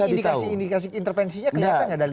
tapi indikasi indikasi intervensinya kelihatan nggak dali